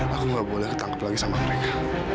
aku nggak boleh ketangkep lagi sama mereka